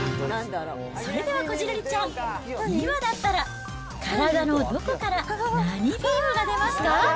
それではこじるりちゃん、今だったら、体のどこから何ビームが出ますか？